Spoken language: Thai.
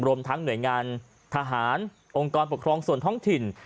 รวมทั้งหน่วยงานทหารองค์กรปกครองส่วนท้องถิ่น